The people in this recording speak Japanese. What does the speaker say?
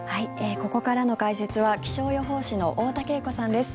ここからの解説は気象予報士の太田景子さんです。